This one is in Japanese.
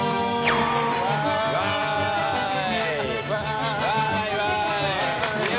わい！